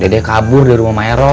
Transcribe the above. dede kabur dari rumah maya ros